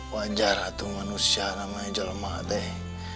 wajar lah tuh manusia namanya jalmah teh